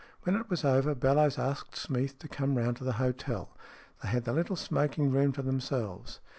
When it was over, Bellowes asked Smeath to come round to the hotel. They had the little smoking room to themselves.